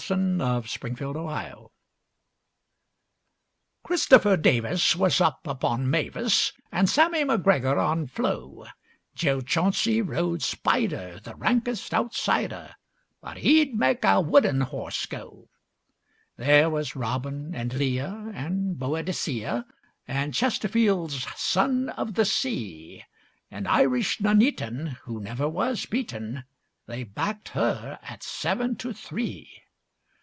THE FARNSHIRE CUP Christopher Davis was up upon Mavis And Sammy MacGregor on Flo, Jo Chauncy rode Spider, the rankest outsider, But he'd make a wooden horse go. There was Robin and Leah and Boadicea, And Chesterfield's Son of the Sea; And Irish Nuneaton, who never was beaten, They backed her at seven to three.